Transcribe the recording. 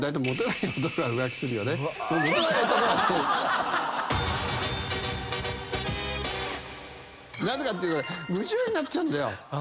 なぜかっていうと夢中になっちゃうんだよ。